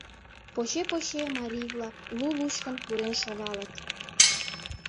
Поче-поче марий-влак лу-лучкын пурен шогалыт.